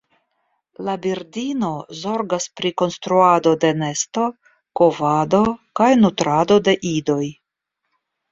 La birdino zorgas pri konstruado de nesto, kovado kaj nutrado de idoj.